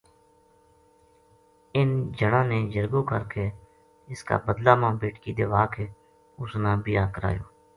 اِنھ جنا نے جرگو کر کے اس کا بدلہ ما بیٹکی دیوا کے اُس نا بیاہ کرایو